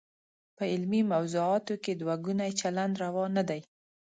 په علمي موضوعاتو کې دوه ګونی چلند روا نه دی.